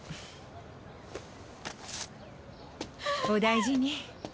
お大事に